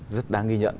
rất đáng ghi nhận